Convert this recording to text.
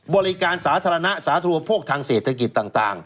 บริการสาธารณะสาธุโภคทางเศรษฐกิจต่าง